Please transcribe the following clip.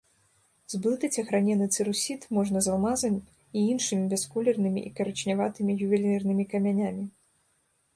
Зблытаць агранены цэрусіт можна з алмазам і іншымі бясколернымі і карычняватымі ювелірнымі камянямі.